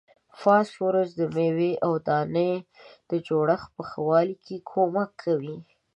فاسفورس د میوې او دانې د جوړښت په ښه والي کې کومک کوي.